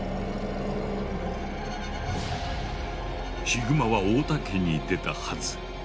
ヒグマは太田家に出たはず。